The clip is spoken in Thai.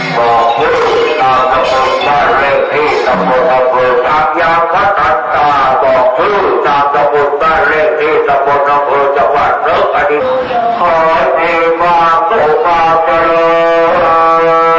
บอกถึงจากสมุนตริย์ที่สมุนตริย์สักอย่างพระทักษะบอกถึงจากสมุนตริย์ที่สมุนตริย์สักอย่างพระทักษะบอกถึงจากสมุนตริย์ที่สมุนตริย์สักอย่างพระทักษะ